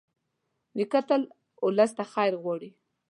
نیکه تل ولس ته خیر غواړي.